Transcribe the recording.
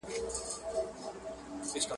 o په لک ئې نه نيسي، په کک ئې ونيسي.